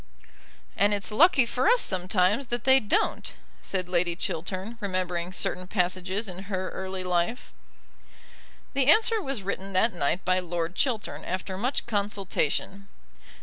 '" "And it's lucky for us sometimes that they don't," said Lady Chiltern, remembering certain passages in her early life. The answer was written that night by Lord Chiltern after much consultation.